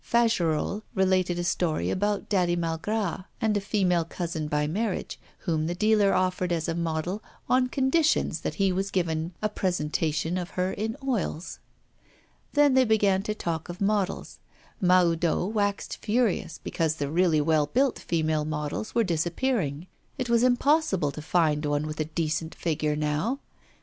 Fagerolles related a story about Daddy Malgras and a female cousin by marriage, whom the dealer offered as a model on conditions that he was given a presentment of her in oils. Then they began to talk of models. Mahoudeau waxed furious, because the really well built female models were disappearing. It was impossible to find one with a decent figure now.